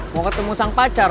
mau ketemu sang pacar